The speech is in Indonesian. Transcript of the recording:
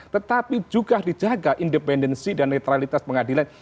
tetapi juga dijaga independensi dan netralitas pengadilan